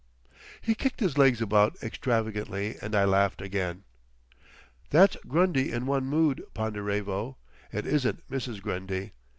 '" He kicked his legs about extravagantly, and I laughed again. "That's Grundy in one mood, Ponderevo. It isn't Mrs. Grundy.